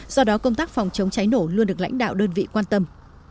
do đó công tác phòng chống cháy nổ luôn được lãnh đạo đơn vị quan tâm